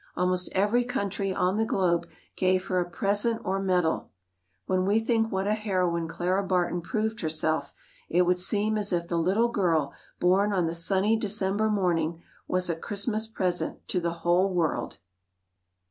Almost every country on the globe gave her a present or medal. When we think what a heroine Clara Barton proved herself, it would seem as if the little girl born on the sunny December morning was a Christmas present to the whole world.